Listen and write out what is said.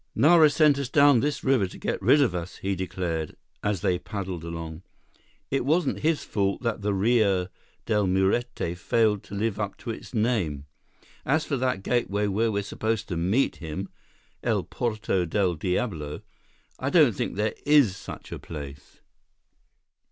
"Nara sent us down this river to get rid of us," he declared, as they paddled along. "It wasn't his fault that the Rio Del Muerte failed to live up to its name. As for that gateway where we're supposed to meet him—El Porto Del Diablo—I don't think there is such a place."